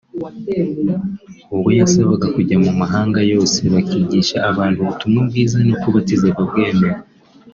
ubwo yabasabaga kujya mu mahanga yose bakigisha abantu ubutumwa bwiza no kubatiza ababwemera